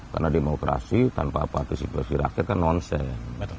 karena demokrasi tanpa partisipasi rakyat kan nonsen